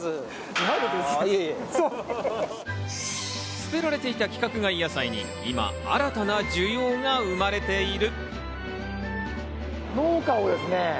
捨てられていた規格外野菜に今、新たな需要が生まれている。